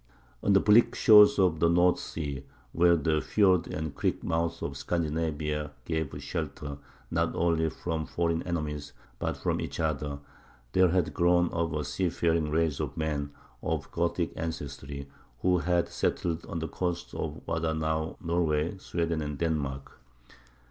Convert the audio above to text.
On the bleak shores of the North Sea, where the fiords and creek mouths of Scandinavia gave shelter not only from foreign enemies, but from each other, there had grown up a seafaring race of men, of Gothic ancestry, who had settled on the coasts of what are now Norway, Sweden, and Denmark.